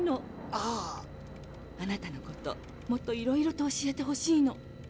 あなたのこともっといろいろと教えてほしいの。